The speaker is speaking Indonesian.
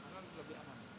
karena lebih aman